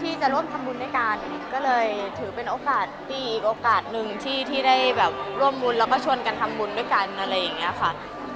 ที่จะร่วมทำบุญด้วยกันก็เลยถือเป็นโอกาสดีอีกโอกาสหนึ่งที่ได้แบบร่วมบุญแล้วก็ชวนกันทำบุญด้วยกันอะไรอย่างนี้ค่ะ